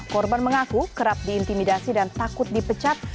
korban mengaku kerap diintimidasi dan takut dipecat